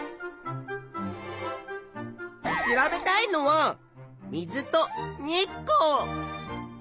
調べたいのは水と日光。